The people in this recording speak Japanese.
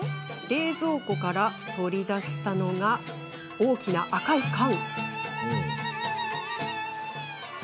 冷蔵庫から取り出したのは大きな赤い缶。